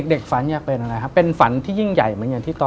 เด็กฝันอยากเป็นอะไรครับเป็นฝันที่ยิ่งใหญ่เหมือนอย่างที่ตอน